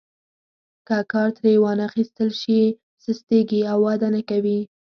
که کار ترې وانخیستل شي سستیږي او وده نه کوي.